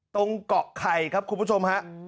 ตรงเกาะไข่ครับคุณผู้ชมฮะ